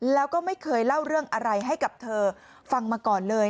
แล้วก็ไม่เคยเล่าเรื่องอะไรให้กับเธอฟังมาก่อนเลย